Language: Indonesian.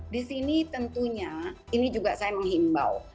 di sini tentunya ini juga saya menghimbau